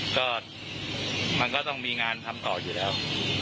ก็มันก็ต้องมีงานทำต่ออยู่แล้ว